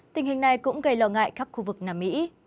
tình hình này cũng gây lo ngại khắp khu vực nam mỹ